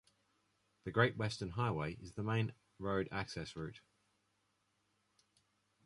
The Great Western Highway is the main road access route.